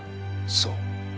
そう。